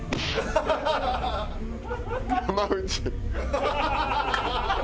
山内。